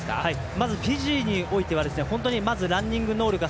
まず、フィジーにおいては本当にランニング能力が